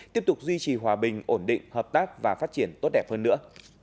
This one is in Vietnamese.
tiếp tục duy trì hòa bình ổn định hợp tác và phát triển tốt đẹp hơn nữa